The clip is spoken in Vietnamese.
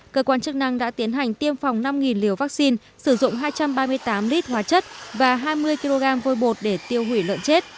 cơ quan chức năng đã tiến hành tiêm phòng năm liều vaccine sử dụng hai trăm ba mươi tám lít hóa chất và hai mươi kg vôi bột để tiêu hủy lợn chết